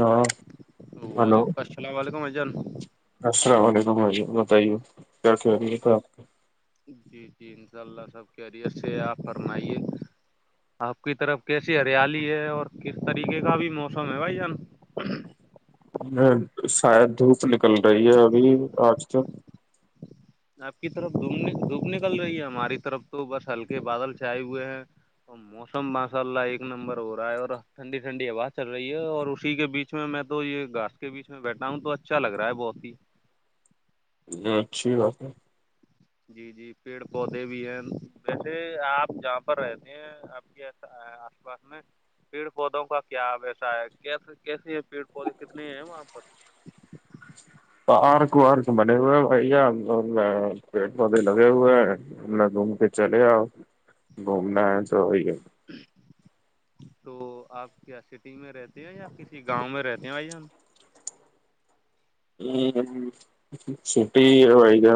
ہاں ہلو وعلیکم السلام و علیکم بھایی جان [inaudible] جی جی انشاء اللہ سب کیریئر سے آپ فرمائیے آپ کی طرف کیسی ہریالی ہے اور کس طریقے کا بھی موسم ہے بھائی جان ہ شاید دھوپ نکل رہی ہے ابھی آج تو آپ کی طرف دوم دپ نکل رہی ہے ہماری طرف تو بس ہلکے بادل چھائے ہوئے ہیں تو موسم ماشاء اللہ ایک نمبر ہو رہا ہے اور ٹھنڈی ٹھنڈی آاز چل رہی ہے اور اسی کے بیچ اسچ میں تو یہ گاس کے بیچ میں بیٹھا ہوں تو اچھا لگ رہا ہے بہت ہی ا اچھی بات ہے جی جی پیڑ پودے بھی ہیں ویسے آپ جہاں پر رہتے ہیں آپ کے آس پاس میں پیڑ پودوں کا کیا ویسا ہے کیسے کیسے ہیں پیڑ پودے کتنے ہیں وہاں پر پارک وارک بنے ہوئے ہیں بھیا میں پیڑ پودے لگے ہوئے ہیں میں گھوم کے چلے آؤں گھومنا ہے تو وہی ہے تو آپ کیا سٹی میں رہتے ہیں یا کسی گاؤں میں رہتے ہیں بھائی ہم ہ چھٹی و گا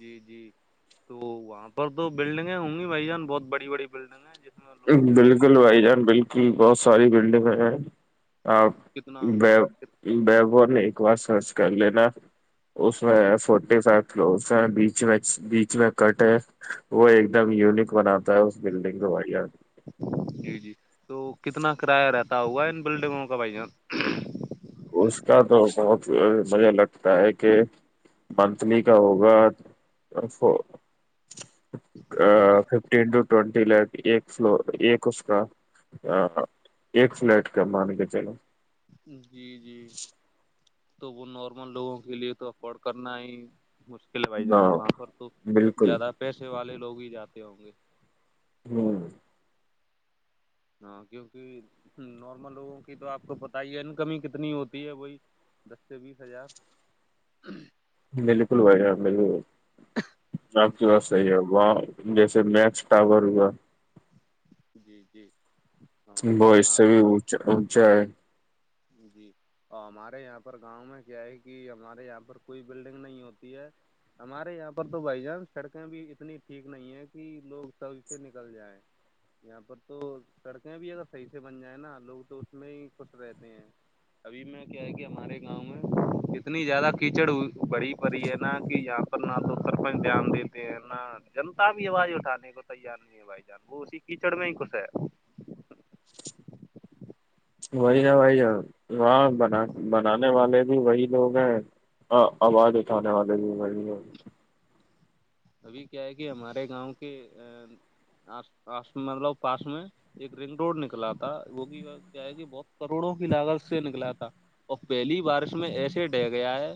جی جی تو وہاں پر تو بلڈنگیں ہوں گی بھائی جان بہت بڑی بڑی بلڈنگ ہیں ج بالکل بھائی جان بالکل بہت ساری بلڈنگ ہے آ کتنا بی بیبو نے ایک بار سرچ کر لین اس میں فورٹی فائیو کل ہیں بیچ میں بیچ میں کٹن ہے وہ ایک دم یونک بناتا ہے اس بلڈنگ کو بھایی جان جی جی تو کتنا کرایہ رہتا ہوگا ان بلڈنگوں کا بھائی جان اس کا تو بہت مجھے لگتا ہے کہ منتھلی کا ہوگا ففٹین ٹو ٹوینٹی لیک ایک فل ایک اس کا ایک فلیٹ کا مان کے چلو جی جی [inaudible] تو وہ نارمل لوگوں کے لیے تو افورڈ کرنا ہی م کھلوائی جان ہاں وہاں پر تو بالکل زیادہ پیسے والے لوگ ہی جاتے ہوں گے ہوں ہاں کیوںکہ نارمل لوگوں کی تو آپ کو پتا ہی ہے نا کمی کتنی ہوتی ہے وہی دس سے بیس ہزار بالکل بھائیان ب آپ کی جی بات صحیح ہے وہ جیسے میکس ٹاور ہوا جی جی ہاں وہ اس سے ہمار بھی اونچا اونچا ہے جی اور ہمارے یہاں پر گاؤں میں کیا ہے کہ ہمارے یہاں پر کوئی بلڈنگ نہیں ہوتی ہے ہمارے یہاں پر تو بھائی جان سڑکیں بھی اتنی ٹھیک نہیں ہے کہ لوگ سب سے نکل جائیں یہاں پر تو سڑکیں بھی اگر صحیح سے بن جائیں نا لوگ تو اس میں ہی خوش رہتے جی ا میں کیا ہے کہ ہمارے گاؤں میں اتنی زیادہ کیچڑ بڑی پڑی ہے نا کہ یہاں نہ تو سرپنچ دھیان دیتے ہیں نہ جنتا بھی آواز اٹھے کو تیار نہیںواز بھایی جان وہ اسی کیجڑ میں ہے خوش ہے وہی نا بھائی وہاں ب بنانے والے بھی وہی لوگ ہیں آواز اٹھانے والے بھی وہی لوگ ہیں ابھی کیا ہے کہ ہمارے گاؤں کے ا آس مطلب پاس میں ایک رنگ روڈ نکلا تھا وہ بھی کیا ہے کہ بہت کروڑوں کی لاگت سے نکلا تھا اور پہلی میں بارش میں ایسے ڈہ گیا ہے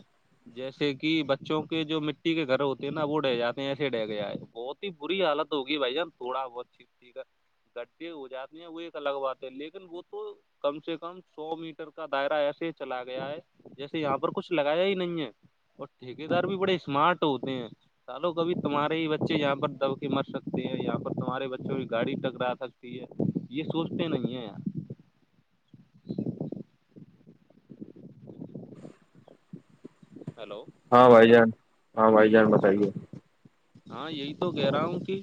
جیسے کہ بچوں کے جو مٹی کے گھر ہوتے ہیں نا وہ رہ جاتے س سے ڈے کے آئے بہت ہی بری حالت ہوگی بھائی جان تھوڑا بہتھیک ٹھیک ہے کٹھے ہو جاتے ہیں وہ ایک الگ بات ہے لیکن وہ تو کم سے کم سو میٹر کا دائرہ ایسے ہی چلا گیا ہے جیسے یہاں پر کچھ لگایا ہی نہیں ہے اور ٹھیکے دار بھی بڑے اسمارٹ ہوتے ہیں سالو بھی تمہارے ہی بچے یہاں پر دبک مر سکتے ہیں یہاں پر تمہارے بچوں بھی گاڑی کرا سک یہ سوچتے نہیں ہیں ہیلو ہاں بھائی جان ہاں بھائی جان بتائیے ہاں یہی تو کہہ رہا ہوں کہ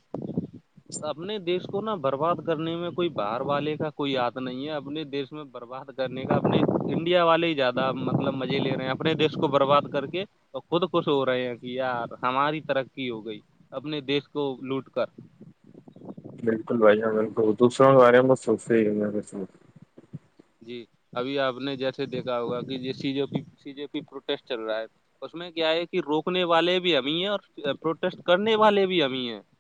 اپنے دیش کو نا برباد کرنے میں کوئی باہر والے کا کوئی یاد نہیں ہے اپنے دیش برباد کرنے کا اپنے انڈیا والے ہی زیادہ مطلب مزے لے رہے ہیں اپنے دیش کو برباد کر کے تو خود خش ہو رہے ہیں کہ یار ہماری ترقی ہو گئی اپنے دیش کو لوٹ کر بالکل بھائی جاں ب دوسروں کے بارے میں ب سو جی ابھی آپ نے جیسے دیکھا ہوگا کہ یہ سی جے پی سی جے پی پروٹیسٹ چل رہا ہے اس میں کیا ہے کہ روکنے والے بھی ہم ہی ہیں اور پروٹیسٹ کرنے والے بھی ہم ہی ہیں [unintelligible]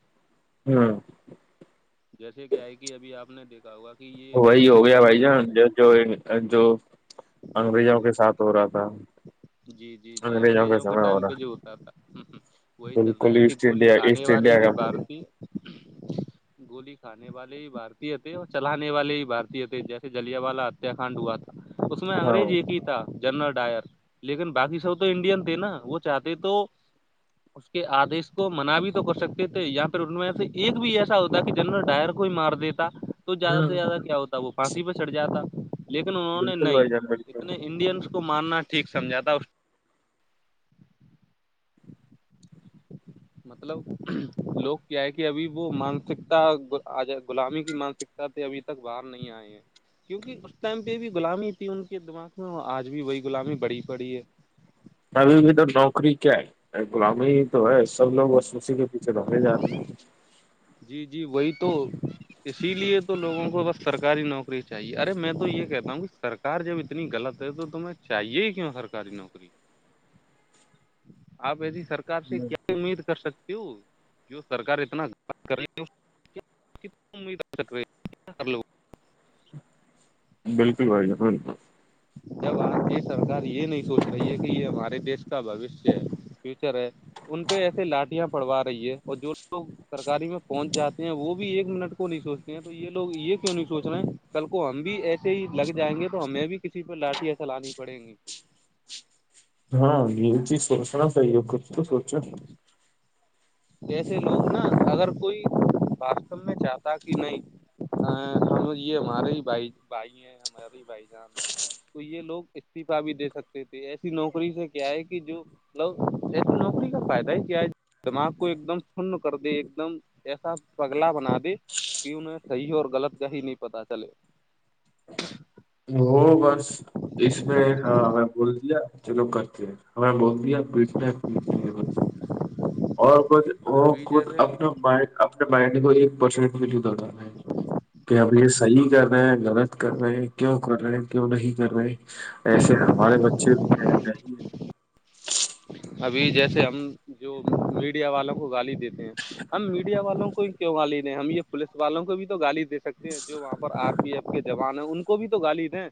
ہوں جیسے کیا ہے کہ ابھی آپ نے دیکھا ہوگا کہ یہ وہی ہو پروٹیسٹ گیا کرنے بھائی جان والے جو جو انگریزوں کے ساتھ ہو رہا تھا جی جی جی انگریزوں کے سمے ہو ٹائم پہ رہا جو ہوتا تھا ہ وہی چل رہا بالکل ہے کہ ایسٹ گولی انڈیا کھانے ایسٹ والے انڈیا بھی کمپنی بارتی گولی کھانے والے ہی بارتی تھے اور چلانے والے ہی بارتی تھے جیسے جلیا والا ہتیاکاننڈ ہوا تھا اس میں ہاں انگریز ایک ہی تھا جنرل ڈائر لیکن باقی سب تو انڈین تھے نا وہ چاہتے تو آدیش کو منا بھی تو کر سکتے تھے یااں پھر ان میں سے ایک بھی ایسا ہوتا کہ جنرل ڈائر کوئی مار دیتے تو زیادہ سے ہ زیادہ کیا ہوتا وہ پھانسی پہ چڑٹ جاتا لیکن انہوں نے بالکل نہیں بھائی جان بالکل اتنے انڈینس کو ماننا ٹھیک سمجھا تھا مطلب لوگ کیا ہے کہ ابھی وہ مانسکتا لامی کی مانسک ے اب تک باہر نہیں آئے ہیں کیونکہ اس ٹائم پہ بھی غلامی تھی ان کے دماغ میں اور آج بھی وہی غلامی بڑی پڑی ہے ابھی بھی تو نوکری کیا ہے لامی تو ہے سب لوگ ب اسی کےھ چ بے جا رہے ہیں جی جی وہی تو اسی لیے تو لوگوں کو بس سرکاری نوکری چاہیے ارے میں تو یہ کہتا ہوں کہ سر کار جب اتنی غلط ہے تو تمہیں چاہیے کیوں سرکاری نوکری آپ ایسی سرکار سے ہیں کیا امید کر سکتے ہو جو سرکار اتنا تک بالکل بھیا بالکل جب آج کی سرکار یہ نہیں سوچ رہی ہے کہ یہ ہمارے دیش کا بوشیہ ہے فیوچر ہے ان پہ ایسے لاٹیاں پڑوا رہی ہے اور جو لوگ سرکاری میں پہنچ جاتے ہیں وہ بھی ایک منٹ کو نہیں سوچتے ہیں تو یہ لوگ یہ کیوں نہیں سوچ رہے ہیں کل کو ہم بھی ایسے ہی لگ جائیں گے تو ہمیں بھی کسی پہ لاٹھی ایسا لانی پڑیں گی ہاں یہی چیز سوچنا صاہی ہے کچھ تو سوچو جسے لوگ نا اگر کوئی واستو میں چاہتا کہ نہیں ہاں ہمو ج یہ ہمارے ہی بھائی بھائی ہیں ہمارے ہی بھائی جان ہیں تو یہ لوگ استعفا بھی دے سکتے تھے ایسی نوکری سے کیا ہے کہ جو لوسے نوکری کا فائدہ ہی کیا ہے دماغ کو ایک دم شن کر دی ایک دم ایسا پگلا بنا دی کی انہیں صحیح اور غلط کا ہی نہیں پتا چلے وہ بس اس میں ہاں ہمیں بول دیا چلو کرتے ہیں ہمیں بول دیا بیٹنے پیتی اور ب وہ ابھی خود جیسے اپنے مائ اپپنے باہ نے کو بسند جد رہا ہے کہ اب یہ صحیح کر رہے ہیں غلط کر رہے ہیں کر رہے کیوں نہیں کر رہے ایسے ہمارے بچے بھی ہے نہیں ہے ابھی جیسے ہم جو میڈیا والوں کو گالی دیتے ہیں ہم میڈیا والوں کو بھی کیوں گالی نہیں ہم یہ پولیس والوں کو بھی تو گالی د سکتے ہیں جو وہاں پر آر پی ایف کے جوان ہیں ان کو بھی تو گالی دیں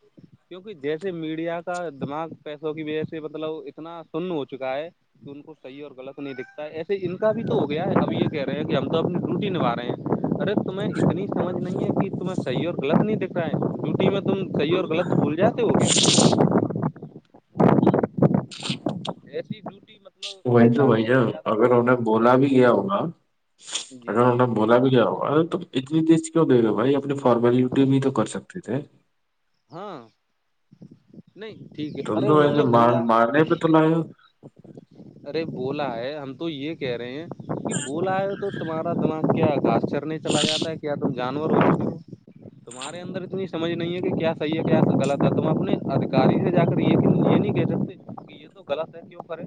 کیونکہ جیسے میڈیا کا دماغ پیسوں کی وجہ سے مطلب اتنا سن ہو چکا ہے کہ ان کو صحیح اور غط نہیں دکھتا ہے ایسے ان کا بھی تو ہو گیا ہے اب یہ کہہ رہے ہیں کہ ہم تو اپنی رٹوٹی نبھا رہے ہیں ارے تمہیں اتنی سمجھ نہیں ہے کہ تمہیں صحیح اور غلط نہیں دکھ رہا ہے میں تم صحیح اور غلط بھول جاتے ہو کیا ایسی ڈیوٹی مطلب وہی تو بھائی انسانیت سے جان زیادہ اگر بڑی ہے کیا انہیں تمہاری بولا بھی گیا ہوگا جی اگر جی انہیں بولا بھی گیا ہوگا تو اتنی تیز کیوں دے رہے ہو بھائی اپنی فارملٹی بھی تو کر سکتے تھے ہاں نہیں ٹھیک ہے تم ارے تو انہوں ویسے نے مار بولا [unintelligible] ارے بولا ہے ہم تو یہ کہہ رہے ہیں کہ بولا ہے تو تمہارا دماغ کیا گاس چرنے چلا جاتا ہے کیا تم جانور ہوچکے ہو تمہارے اندر اتنی سمجھ نہیں ہے کہ کیا صحیح ہے کیا غلط ہے تم اپنے ادیکاری سے جا کر یہ کیوں یہ نہیں کہہ سکتے کہ یہ تو غلط ہے کیوں کرے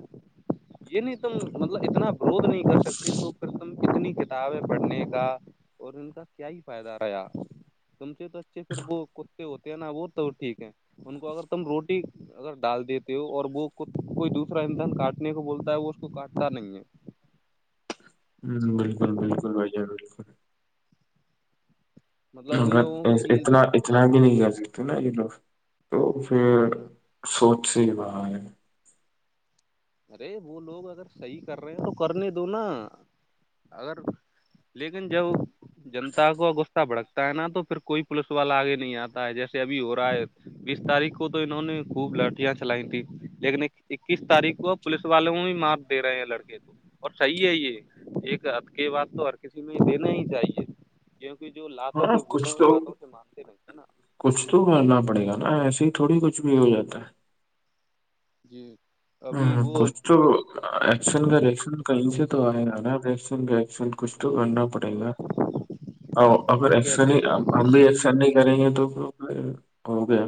یہ نہیں تم مطلب اتنا ورود نہیں کر سکتے تو پھر تم اتنی کتابیں پڑھنے کا اور ان کا کیا ہی فائدہ ایا تم سے تو اچھے پھر وہ کتے ہوتے ہیں نا وہ تو ٹھیک ہے ان کو اگر تم روٹی اگر ڈال دیتے ہو اور وہ کوئی دوسرا انسان کاٹ کاٹنے کو بولتا ہے وہ اس کو کاٹتا نہیں ہے ہممم بالکل بالکل بھائی جان بالکل مطلب ان مگر لوگوں کو اتنا یہ اتنا بھی نہیں کر سکتے نا یہ لوگ تو پھر سوچ سے ہی باہر ہے ارے وہ لوگ اگر صحیح کر رہے ہیں تو کرنے دو نا اگر لیکن جب جنتا کو غصہ بھڑک ہے نا تو پھر کوئی پولیس والا آگے نہیں آتا ہے جیسے ابھی ہو رہا ہے بیس تاریخ کو تو انہوں نے خوب لاٹھیاں چلائی تھی لیکن اکیس تاریخ کو پولیس والے بھی مار دے رہے ہیں لڑکے کو اور صحیح ہے یہ ایک حد کے بات تو ہر کسی میں یہ دینا ہی چاہیے کیونکہ جو لاتوں ہاں کے بھوت ہیں کچھ وہ تو باتوں سے مانتے نہیں ہے ہے نا کچھ تو کرنا پڑے گا نا ایسے ہی تھوڑی کچھ بھی ہو جاتا ہے جی ابھی ہمم وہ کچھ تو ایکشن کا ری ایکشن کہیں سے تو آئے گا نا ایکشن کا ری ایکشن کچھ تو کرنا پڑے گا اور ہم اگر ہم ایکشن کہتے ہیں نہیں نا ہم بھی ایکشن نہیں کریں گے تو ہو گیا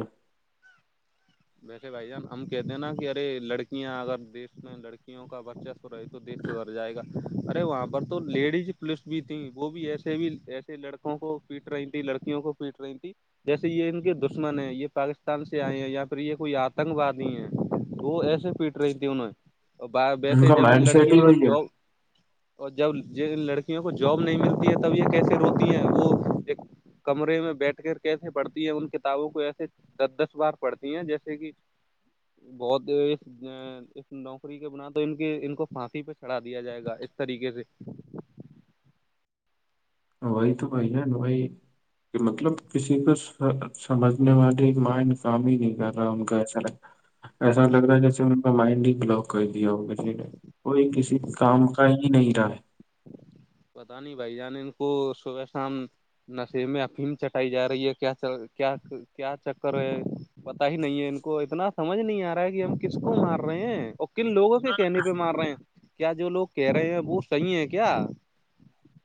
ویسے بھائی جان ہم کہتے ہیں نا کہ ارے لڑکیاں اگر دیش میں لڑکیاں لڑکیوں کا برچسب رہے تو دیش سدھر جائے گا ارے وہاں پر تو لیڈی پولیس بھی تھی وہ بھی ایسی سے بھی ایسے لڑکوں کو پیٹ رہی تھی لڑکیوں کو پیٹ رہی تھی جیسے یہ ان کے دشمن ہے یہ پاکستان سے آئے ہیں یا پھر یہ کوئی آتنگوادی ہیں وہ ایسے پیٹ رہی تھی انہیں اور باہر ویسے کا جب ان مائنڈ سیٹ ہی لڑکیوں کو وہی ہے جاب اور جب جن لڑکیوں کو جاب نہیں ملتی ہے تو تب یہ کیسے روتی ہے وہ ایک کمرے میں بیٹھ کر کیسے پڑھتی ہے ان کتابوں کو ایسے دس دس بار پڑھتی تی ہے جیسے کہ بہت اس نوکری کے بنا تو ان کے ان کو پھانسی پہ چڑا دیا جائے گا اس طریقے سے وہی تو بھائی ہے وہائی مطلب کسی پر سمجھنے والی ماں ان کام ہی نہیں کر رہا ان کا ایسا ایسا لگ رہا ہے جیسے ان کا مائنڈ ہی بلاک کر دیا ہوگا کوئی کسی کام کہیں نہیں رہا ہے پتا نہیں بھائی جان ان کو صبح شام نشر میں فلم چٹائی جا رہی ہے کیا کیا کیا چکر ہے پتا ہی نہیں ہے ان کو اتنا سمج نہیں آ رہا ہے کہ ہم کس کو مار رہے ہیں کن لوگوں کے کہنے پہ مار رہے ہیں کیا جو لوگ کہہ رہے ہیں وہ صحیح ہے کیا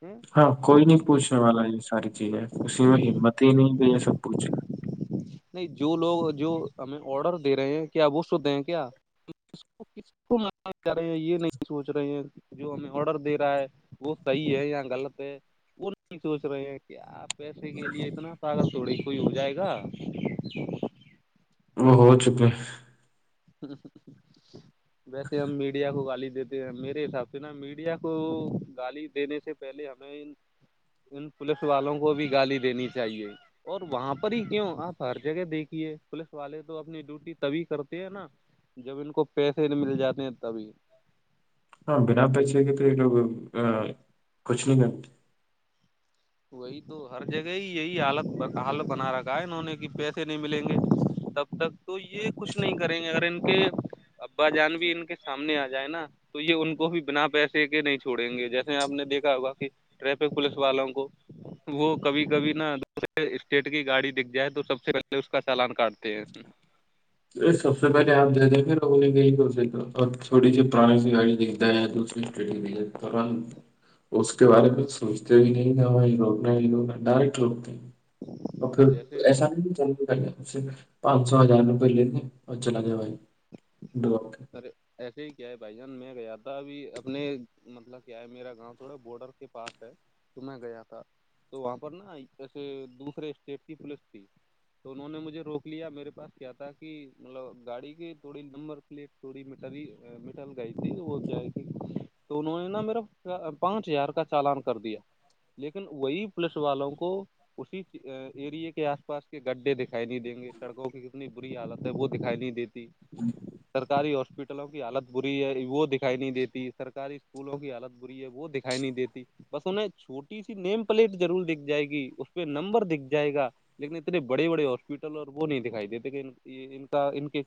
ا ہاں کوئی نہیں پوچھنے والا یہ ساری چیز ہے کسی میں ہمت ہی نہیں کہ یہ سب پوچھنا نہیں جو لوگ جو ہمیں آڈر دے رہے ہیں کیا وہ سوتے ہیں کیا کس کو مانے جا رہے ہیں یہ نہیں سوچ رہے ہیں جو ہمیں آڈر دے رہا ہے وہ صحیح ہے یا غلط ہے وہ نہیں سوچ رہے ہیں کیا آپ پیسے کے لیے اتنا ساغگر تھوڑی کوئی ہو جائے گا ہ وہ ہو چکے ہیں ویسے ہم میڈیا کو گالی دیتے میرے حساب سے نا میڈیا کو گالی دینے سے پہلے ہمیں ان پولیس والوں کو بھی گالی دینی چاہیے اور وہاں پر ہی کیوں آپ ہر جگہ دیکھیے پوولس والے تو اپنی ڈیوٹی تبھی کرتے نا جب ان کو پیسے مل جاتے ہیں تبھی ہاں بنا پیچے کے تو یہ لوگ کچھ نہیں کرتے وہی تو ہر جگہ ہی یہی حالت حالت بنا رکھا ہے انہوں نے کہ پیسے نہیں ملیں گے تب تک تو یہ کچھ نہیں کریں گے اگر ان کے ابا جان بھی ان کے سامنے آ جائے نا تو یہ ان کو بھی بنا پیسے کے نہیں چھوڑیں گے جیسے آپ نے دیکھا ہوگا کہ ٹریفک پولیس والوں کو وہ کبھی کبھی نہا دوسرے اسٹیٹ کی گاڑی دکھ جائے تو سب سے پہلے اس کا چالان کاٹتے ہیں ارے سب سے پہلے آپ د دیکھے رگول گئیے تو اور چھوٹی سی پرانی سی گاڑی دکھتا ہے یا تو سے ٹی و کررن اس کے بارے میں کچھ سوچتے ہی نہیں ن ہم یہ روکنا یہ روگنا ڈائریکٹ لوکتے ہیں اور پھر جیسے ایسا نہیں پانچ سو ہزار میں لے اور چلا گائے بھائی ڈر ارے ایسے ہی کیا ہے بھائی جان میں گیا تھا ابھی اپنے مطلب کیا ہے میرا گاؤں تھوڑا بارڈر کے پاس ہے تو میں گیا تھا تو وہاں پر نا جیسے دوسرے اسٹیٹ کی پوولس تھی تو انہوں نے مجھے روک لیا میرے پاس کیا تھا کہ مطلب گاڑی کی تھوڑی نمبر پلی تھوڑی مٹھ مٹا لگائی تھی وہ ہے کہ تو انہوں نے نا میرا پانچ ہزار کا چالان کر دیا لیکن وہی پولیس والوں کو اسی ایریے کے آس پاس کے گڈھے دکھائی نہیں دیں گے سڑکوں کی کتنی بری حالت ہے وہ دکھائی نہیں دیتی [unintelligible] سرکاری ہاسپٹلوں کی حالت بری ہے وہ دکھائی نہیں دیتی سرکاری اسکولوں کی حالت بری ہے وہ د اٹھ نہیں دیتی بس انہیں چھوٹی سی نیم پلیٹ ضرور دکھ جائے گی اس پہ نمبر دکھ جائے گا لیکن اتنے بڑے بڑے ہاسپٹل اور وہ نہیں دکھائی دیتے کہ ان کا ان کے